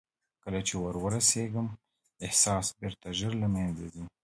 کله چې ور رسېږم احساس بېرته ژر له منځه ځي.